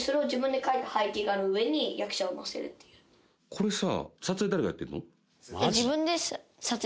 これさ。